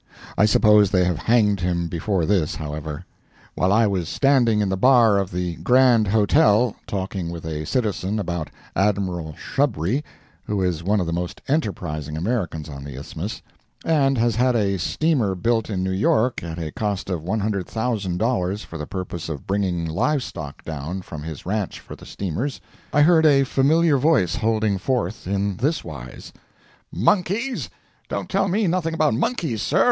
I suppose they have hanged him before this, however. While I was standing in the bar of the Grand Hotel talking with a citizen about Admiral Shubry (who is one of the most enterprising Americans on the Isthmus), and has had a steamer built in New York at a cost of $100,000 for the purpose of bringing live stock down from his ranch for the steamers, I heard a familiar voice holding forth in this wise: "Monkeys! don't tell me nothing about monkeys, sir!